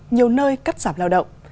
nhiều nơi cắt giảm lao động